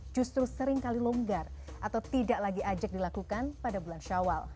justru seringkali longgar atau tidak lagi ajak dilakukan pada bulan syawal